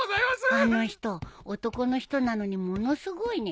あの人男の人なのにものすごいね。